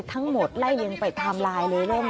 ทั้งหมดไล่เรียงไปทำไลน์เลยเลย